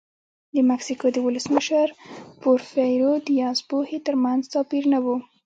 د مکسیکو د ولسمشر پورفیرو دیاز پوهې ترمنځ توپیر نه و.